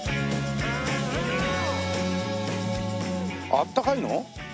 あったかいの？